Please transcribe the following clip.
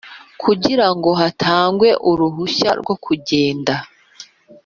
Kugira ngo hatangwe uruhushya rwo kugenda